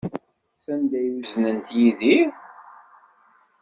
Sanda ay uznent Yidir?